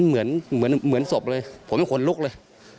เหมือนศพเลยผมอยู่ขวนลุกเลย